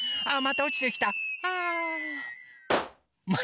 あっまたおちてきた！